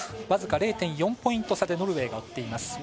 僅か０．４ポイント差でノルウェーが追っています。